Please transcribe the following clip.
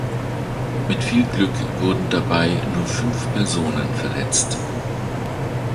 Mit viel Glück wurden dabei nur fünf Personen verletzt.